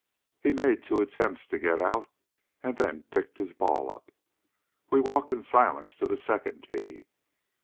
He made two attempts to get out and then picked his ball up. We walked in silence to the second tee.